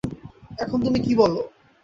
এখন তুমি কী বল?